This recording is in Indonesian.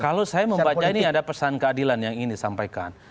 kalau saya membaca ini ada pesan keadilan yang ingin disampaikan